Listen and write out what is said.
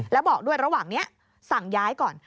แล้วบอกด้วยระหว่างนี้สั่งย้ายก่อน